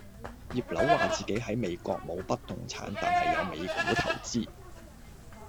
葉劉話自己喺美國冇不動產但有美股投資